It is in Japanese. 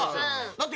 だって